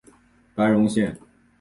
白茂线